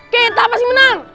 kita pasti menang